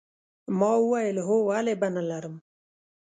ما وویل هو ولې به نه لرم